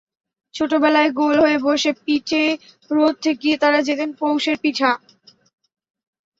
ছোটবেলায় গোল হয়ে বসে পিঠে রোদ ঠেকিয়ে তারা যেতেন পৌষের পিঠা।